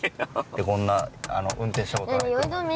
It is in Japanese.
こんな運転した事ない車。